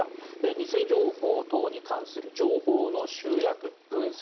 偽情報等に関する情報の集約・分析